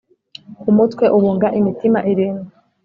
Umutwe ubunga imitima irindwi